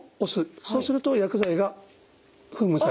そうすると薬剤が噴霧される。